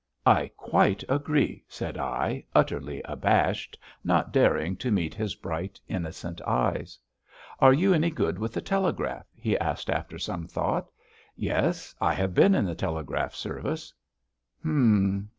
"I quite agree," said I, utterly abashed, not daring to meet his bright, innocent eyes. "Are you any good with the telegraph?" he asked after some thought. "Yes. I have been in the telegraph service." "Hm....